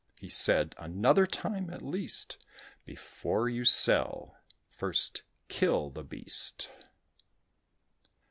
"He said, 'Another time, at least, Before you sell, first kill the beast."